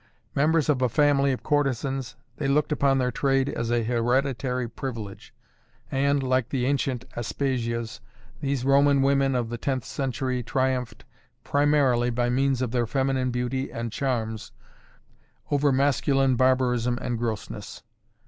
Members of a family of courtesans, they looked upon their trade as a hereditary privilege and, like the ancient Aspasias, these Roman women of the tenth century triumphed primarily by means of their feminine beauty and charms over masculine barbarism and grossness.